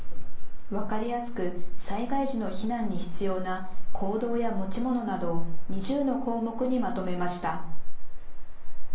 分かりやすく災害時の避難に必要な行動や持ち物などを２０の項目にまとめました。